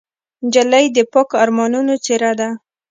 نجلۍ د پاکو ارمانونو څېره ده.